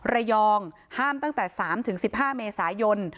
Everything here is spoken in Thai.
ระยองห้ามตั้งแต่๓ถึง๑๕เมษายน